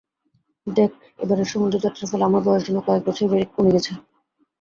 দেখ, এবারের সমুদ্রযাত্রার ফলে আমার বয়স যেন কয়েক বছর কমে গেছে।